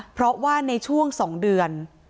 เพราะว่าในช่วง๒เดือน